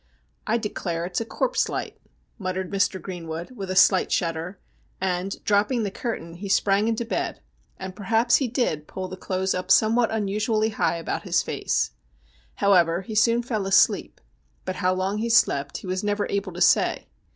' I declare it's a corpse light,' muttered Mr. Greenwood with a slight shudder, and dropping the curtain he sprang THE SHINING HAND 181 into bed, and perhaps lie did pull the clothes up somewhat unusually high about his face. However, he soon fell asleep, but how long he slept he was never able to say.